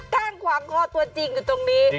ข้างขวางคอตัวจริงอยู่ตรงนี้